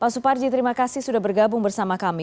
suparji terima kasih sudah bergabung bersama kami